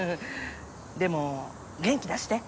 でも元気出して！